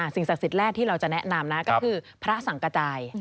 สิ่งศักดิ์สิทธิ์แรกที่เราจะแนะนำนะก็คือพระสังกระจาย